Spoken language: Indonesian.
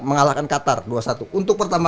mengalahkan qatar dua satu untuk pertama